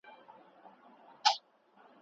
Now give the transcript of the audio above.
په حقیقت کي د پردیو د لاس آلې دي.